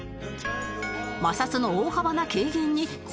摩擦の大幅な軽減に成功